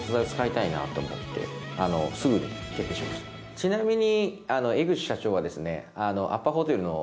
ちなみに。